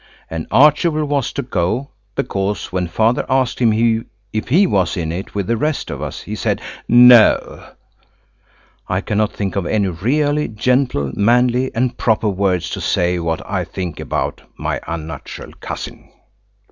And Archibald was to go, because when Father asked him if he was in it with the rest of us, he said "No." I cannot think of any really gentle, manly, and proper words to say what I think about. my unnatural cousin.